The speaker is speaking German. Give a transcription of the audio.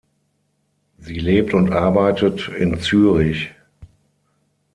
Sie lebt und arbeitet in Zürich.